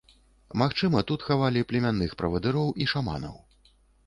Магчыма, тут хавалі племянных правадыроў і шаманаў.